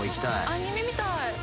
アニメみたい。